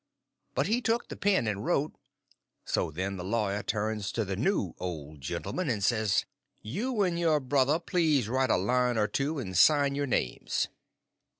But he took the pen and wrote. So then the lawyer turns to the new old gentleman and says: "You and your brother please write a line or two and sign your names."